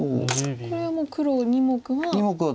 これもう黒２目は。